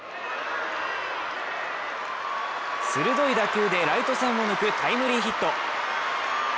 鋭い打球でライト戦を抜くタイムリーヒット。